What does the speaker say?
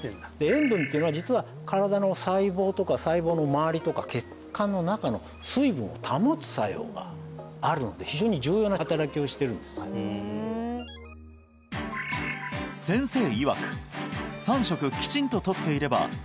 塩分っていうのは実は身体の細胞とか細胞の周りとか血管の中の水分を保つ作用があるので非常に重要な働きをしてるんです先生